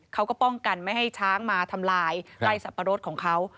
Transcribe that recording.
เขาก็ป้องกันไม่ให้ช้างมาทำลายไล่สับปะรดของเขา